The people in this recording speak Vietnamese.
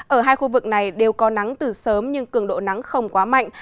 ở hai khu vực này đều có nắng từ sớm nhưng cường độ nắng không quá mạnh